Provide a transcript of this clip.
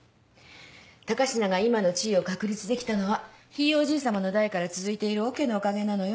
高階が今の地位を確立できたのはひいおじい様の代から続いているオケのおかげなのよ。